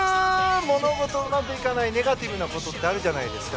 物事がうまくいかないネガティブなことってあるじゃないですか